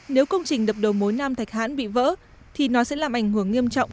nếu công trình đập đầu mối nam thạch hãn bị vỡ thì nó sẽ làm ảnh hưởng nghiêm trọng